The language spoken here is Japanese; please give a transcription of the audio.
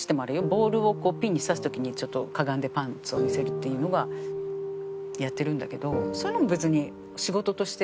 ボールをピンに挿す時にちょっとかがんでパンツを見せるっていうのがやってるんだけどそういうのも別に仕事として。